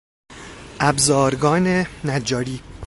ابزارگان نجاری